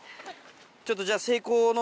ちょっとじゃあ成功の。